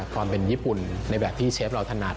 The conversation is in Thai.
ความเป็นญี่ปุ่นในแบบที่เชฟเราถนัด